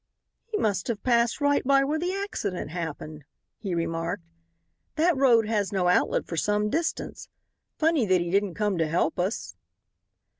"He must have passed right by where the accident happened," he remarked; "that road has no outlet for some distance. Funny that he didn't come to help us."